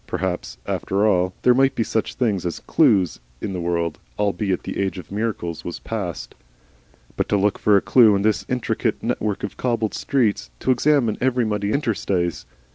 Perhaps, after all, there might be such things as clues in the world, albeit the age of miracles was past. But to look for a clue in this intricate network of cobbled streets, to examine every muddy interstice!